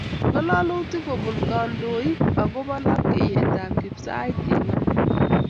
Ngalalutik kobun kandoik agobo lapatetab Chepsait eng amut